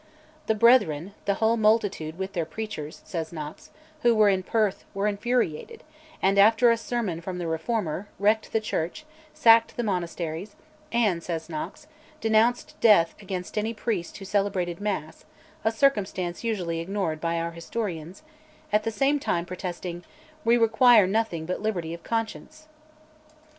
The Brethren, "the whole multitude with their preachers," says Knox, who were in Perth were infuriated, and, after a sermon from the Reformer, wrecked the church, sacked the monasteries, and, says Knox, denounced death against any priest who celebrated Mass (a circumstance usually ignored by our historians), at the same time protesting, "We require nothing but liberty of conscience"!